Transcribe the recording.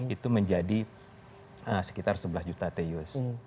itu menjadi sekitar sebelas juta teus